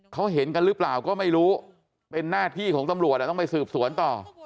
เขาเห็นกันหรือเปล่าก็ไม่รู้เป็นหน้าที่ของตำรวจต้องไปสืบสวนต่อ